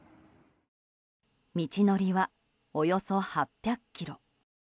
道のりはおよそ８００ｋｍ。